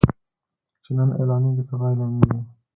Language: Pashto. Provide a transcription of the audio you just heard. چې نن اعلانيږي سبا اعلانيږي.